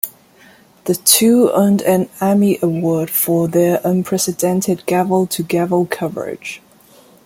The two earned an Emmy Award for their unprecedented gavel-to-gavel coverage.